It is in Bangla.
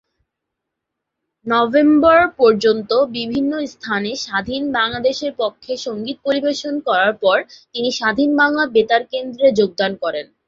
নভেম্বর পর্যন্ত বিভিন্ন স্থানে স্বাধীন বাংলাদেশের পক্ষে সঙ্গীত পরিবেশন করার পর তিনি স্বাধীন বাংলা বেতার কেন্দ্রে যোগদান করেন।